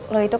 lo itu kan